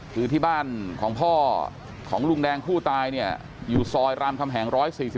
คือที่บ้านของพ่อของลุงแดงผู้ตายเนี่ยอยู่ซอยรามคำแหง๑๔๔